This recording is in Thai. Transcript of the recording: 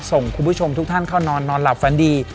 ส่งคุณผู้ชมทุกท่านเข้านอนนอนหลับฝันดี